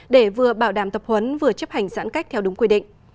để vừa bảo đảm tập huấn vừa chấp hành giãn cách theo đúng quy định